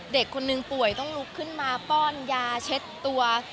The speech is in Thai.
เด็กคนนึงป่วยต้องลุกขึ้นมาป้อนยาเช็ดตัว